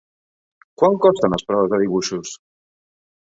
Quant costen les proves de dibuixos?